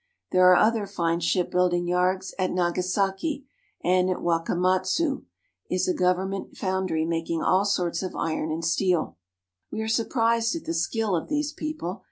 There are other fine ship building yards at Nagasaki (na'ga sa'ke) and at Wakamatsu (wa'ka mat'so6)is a government foundry making all sorts of iron and steel. We are surprised at the skill of these people.